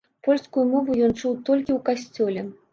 Польскую мову ён чуў толькі ў касцёле.